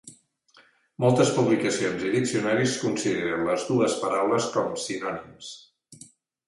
Moltes publicacions i diccionaris consideren les dues paraules com sinònims.